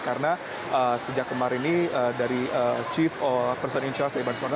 karena sejak kemarin dari chief person in charge dari bandara soekarno hatta